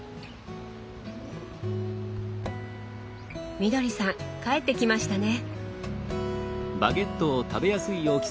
みどりさん帰ってきましたね。